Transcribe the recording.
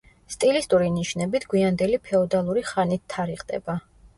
სტილისტური ნიშნებით გვიანდელი ფეოდალური ხანით თარიღდება.